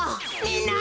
みんな！